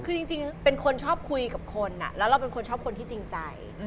คือจริงเป็นคนชอบคุยกับคนแล้วเราเป็นคนชอบคนที่จริงใจ